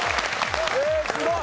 えすごい！